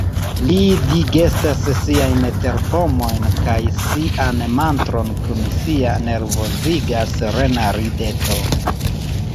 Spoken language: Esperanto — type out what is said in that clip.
Li digestas siajn terpomojn kaj sian mantron kun sia nervoziga serena rideto.